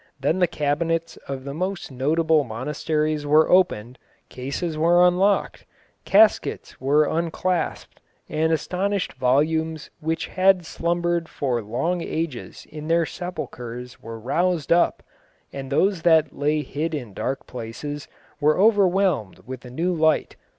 Then the cabinets of the most notable monasteries were opened, cases were unlocked, caskets were unclasped, and astonished volumes which had slumbered for long ages in their sepulchres were roused up, and those that lay hid in dark places were overwhelmed with a new light....